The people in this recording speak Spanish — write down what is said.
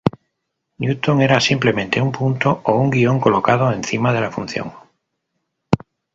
Newton era simplemente un punto o un guion colocado encima de la función.